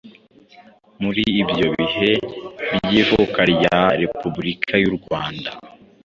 Muri ibyo bihe by’ivuka rya Repubulika y’u Rwanda